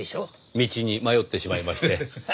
道に迷ってしまいまして。